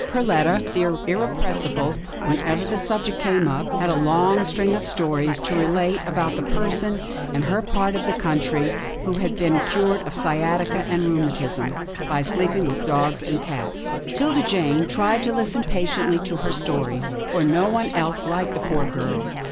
Perletta, the irrepressible, whenever the subject came up, had a long string of stories to relate about persons in her part of the country who had been cured of sciatica and rheumatism, by sleeping with dogs and cats. MORE ABOUT THE PUP 125 'Tilda Jane tried to listen patiently to her stories, for no one else liked the poor girl.